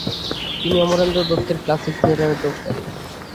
তিনি অমরেন্দ্রনাথ দত্তর ক্ল্যাসিক থিয়েটারে যোগ দেন।